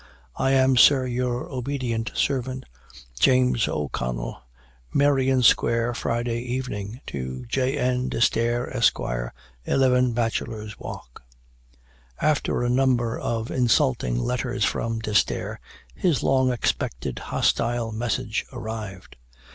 I am, sir, your obedient servant, "James O'Connell. "Merrion square, Friday Evening. "To J. N. D'Esterre, Esq., 11 Bachelor's walk." After a number of insulting letters from D'Esterre, his long expected hostile message arrived.